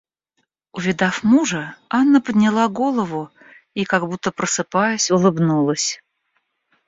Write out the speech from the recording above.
Увидав мужа, Анна подняла голову и, как будто просыпаясь, улыбнулась.